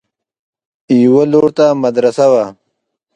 يوه لور ته مدرسه وه.